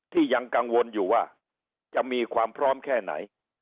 ที่ยังกังวลอยู่ว่าจะมีความพร้อมแค่ไหน